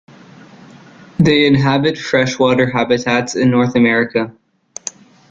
They inhabit freshwater habitats in North America.